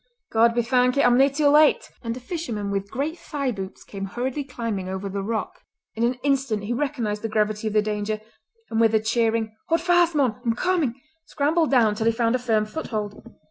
"God be thankit, I'm nae too late!" and a fisherman with great thigh boots came hurriedly climbing over the rock. In an instant he recognised the gravity of the danger, and with a cheering "Haud fast, mon! I'm comin'!" scrambled down till he found a firm foothold.